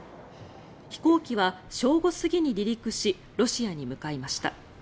飛行機は正午過ぎに離陸しロシアに向かいました。